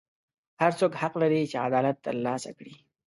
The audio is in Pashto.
هر څوک حق لري چې عدالت ترلاسه کړي.